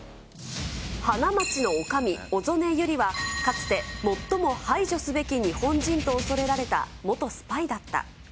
花街のおかみ、小曾根百合は、かつて、最も排除すべき日本人と恐れられた元スパイだった。